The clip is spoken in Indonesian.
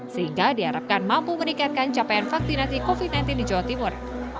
sehingga diharapkan mampu meningkatkan capaian vaksinasi covid sembilan belas di jawa timur